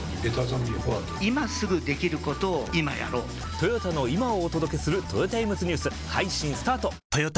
トヨタの今をお届けするトヨタイムズニュース配信スタート！！！